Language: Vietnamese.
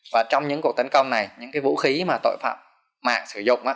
và trong những cuộc tấn công này những vũ khí mà tội phạm mạng sử dụng